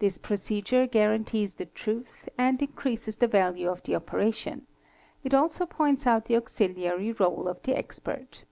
This procedure guarantees the truth and increases the value of the operation ; it also points out the auxiliary réle of the expert.